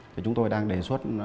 thì chúng tôi đang đề xuất